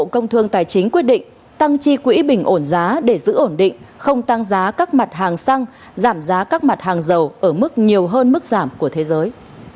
bộ công thương tài chính quyết định tăng chi quỹ bình ổn giá để giữ ổn định không tăng giá các mặt hàng xăng giảm giá các mặt hàng dầu ở mức nhiều hơn mức giảm của thế giới